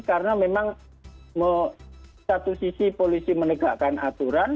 karena memang satu sisi polisi menegakkan aturan